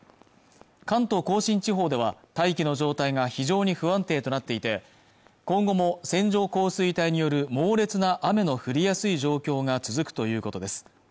関東甲信地方では大気の状態が非常に不安定となっていて今後も線状降水帯による猛烈な雨の降りやすい状況が続くということです